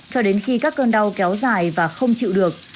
cho đến khi các cơn đau kéo dài và không chịu được